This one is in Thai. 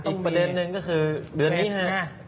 ต้องมีอีกประเด็นหนึ่งก็คือเดือนนี้ฮะเฟชฯนะครับ